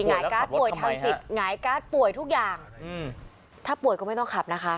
หงายการ์ดป่วยทางจิตหงายการ์ดป่วยทุกอย่างถ้าป่วยก็ไม่ต้องขับนะคะ